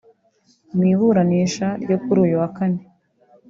Mu iburanisha ryo kuri uyu wa Kane